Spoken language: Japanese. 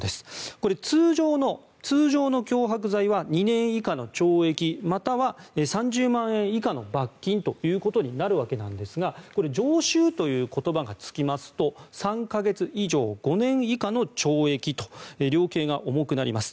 これ、通常の脅迫罪は２年以下の懲役または３０万円以下の罰金ということになるわけなんですが常習という言葉がつきますと３か月以上５年以下の懲役と量刑が重くなります。